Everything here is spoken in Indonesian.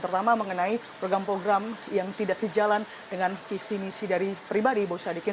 terutama mengenai program program yang tidak sejalan dengan visi misi dari pribadi boy sadikin